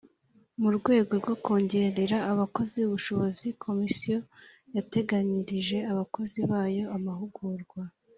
Mu rwego rwo kongerera abakozi ubushobozi Komisiyo yateganyirije abakozi bayo amahugurwa